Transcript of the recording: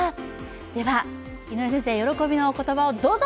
では井上先生、喜びのお言葉をどうぞ！